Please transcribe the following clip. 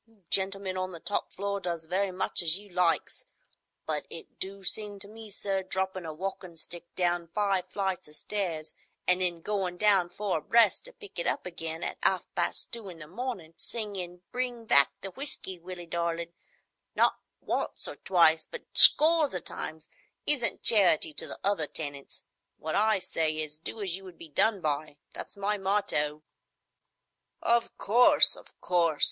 You gentlemen on the top floor does very much as you likes, but it do seem to me, sir, droppin' a walkin' stick down five flights o' stairs an' then goin' down four abreast to pick it up again at half past two in the mornin', singin', 'Bring back the whiskey, Willie darlin','—not once or twice, but scores o' times,—isn't charity to the other tenants. What I say is, 'Do as you would be done by.' That's my motto." "Of course! of course!